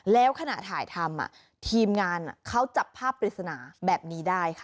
แล้วขณะถ่ายทำทีมงานเขาจับภาพปริศนาแบบนี้ได้ค่ะ